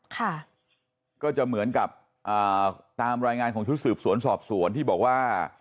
ค่ะก็จะเหมือนกับอ่าตามรายงานของชุดสืบสวนสอบสวนที่บอกว่า